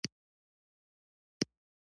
خبره مې د بیې کوله.